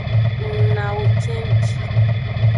Ng nawo cenji.